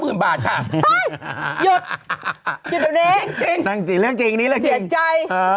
เฮ้ยหยุดหยุดเดี๋ยวเน็ตจริงเรื่องจริงเหมือนใจ